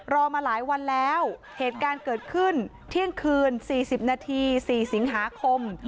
รอมาหลายวันแล้วเหตุการณ์เกิดขึ้นเที่ยงคืน๔๐นาที๔สิงหาคม